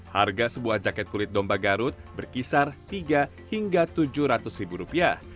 harga sebuah jaket kulit domba garut berkisar rp tiga hingga rp tujuh ratus ribu rupiah